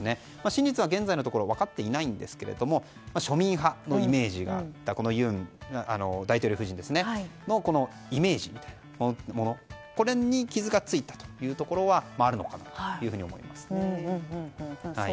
真実は現在のところ分かっていないんですけれども庶民派のイメージがあった尹大統領夫人のこのイメージこれに傷がついたということはあるのかなと思います。